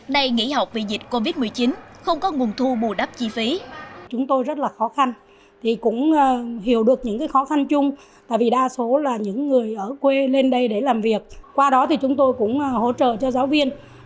nay nghỉ học vì dịch covid một mươi chín không có nguồn thu bù đắp chi phí